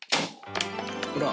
ほら。